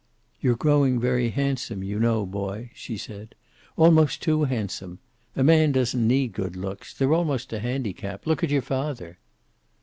"You're growing very handsome, you know, boy," she said. "Almost too handsome. A man doesn't need good looks. They're almost a handicap. Look at your father."